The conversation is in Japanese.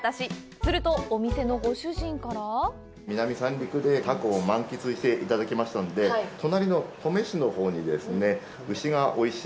すると、お店のご主人から南三陸でタコを満喫していただきましたので隣の登米市のほうに牛がおいしい。